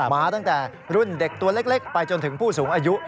มาตั้งแต่รุ่นเด็กตัวเล็กไปจนถึงผู้สูงอายุ